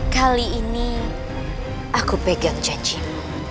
kali ini aku pegang cacing